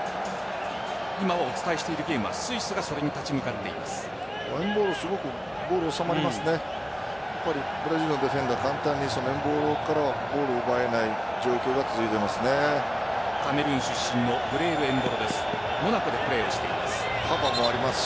今お伝えしているゲームはスイスがそこに立ち向かっています。